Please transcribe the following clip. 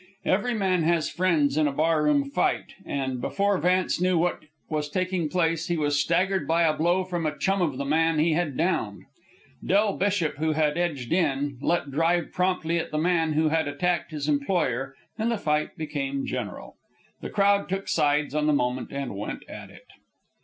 Every man has friends in a bar room fight, and before Vance knew what was taking place he was staggered by a blow from a chum of the man he had downed. Del Bishop, who had edged in, let drive promptly at the man who had attacked his employer, and the fight became general. The crowd took sides on the moment and went at it.